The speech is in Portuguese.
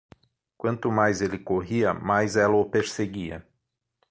Quanto mais ele corria, mais ela o perseguia.